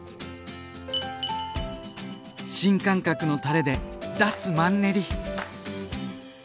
新感覚のたれで脱マンネリ！